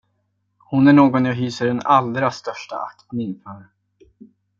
Hon är någon jag hyser den allra största aktning för.